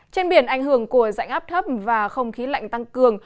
trên biển ảnh hưởng của dạnh áp thấp và không khí lạnh tăng cường